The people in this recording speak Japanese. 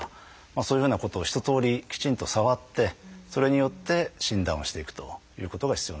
そういうふうなことを一とおりきちんと触ってそれによって診断をしていくということが必要なんですよね。